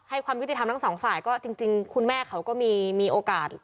ความยุติธรรมทั้งสองฝ่ายก็จริงคุณแม่เขาก็มีโอกาส